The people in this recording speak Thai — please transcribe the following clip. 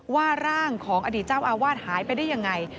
ร่างของอดีตเจ้าอาวาสหายไปได้ยังไง